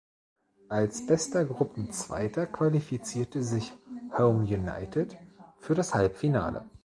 Als bester Gruppenzweiter qualifizierte sich Home United für das Halbfinale